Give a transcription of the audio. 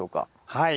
はい。